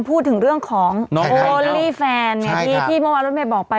พูดถึงเรื่องของโอลี่แฟนใช่ค่ะที่ที่มระวังรถไม่บอกไป